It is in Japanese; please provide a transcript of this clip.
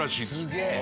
すげえ。